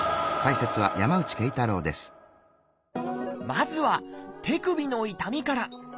まずは「手首の痛み」から。